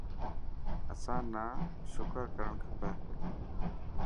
اسان نا شڪر ڪرڻ کپي.